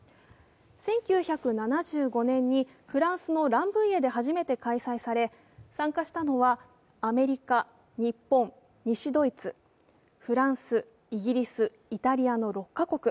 １９７５年にフランスのランブイエで初めて開催され、参加したのはアメリカ、日本、西ドイツ、フランスイギリス、イタリアの６か国。